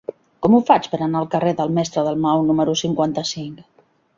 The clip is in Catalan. Com ho faig per anar al carrer del Mestre Dalmau número cinquanta-cinc?